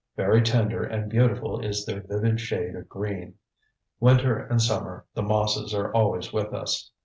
Very tender and beautiful is their vivid shade of green. Winter and summer, the mosses are always with us.